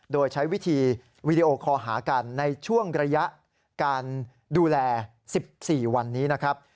โดยใช้วิธีวีดีโอคอลหากันในช่วงระยะการดูแล๑๔วันนี้นะครับ